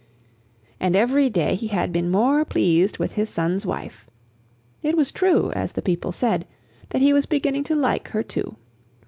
And every day he had been more pleased with his son's wife. It was true, as the people said, that he was beginning to like her too.